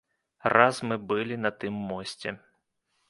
Раз мы былі на тым мосце.